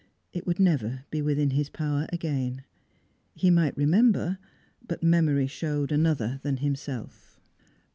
It would never be within his power again. He might remember, but memory showed another than himself.